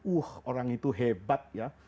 uh orang itu hebat ya